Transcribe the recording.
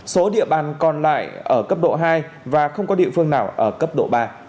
số địa bàn còn lại ở cấp độ hai và không có địa phương nào ở cấp độ ba